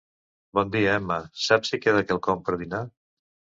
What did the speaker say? Bon dia Emma, saps si queda quelcom per dinar?